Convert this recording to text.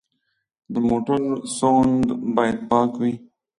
د موټر سوند باید پاک وي.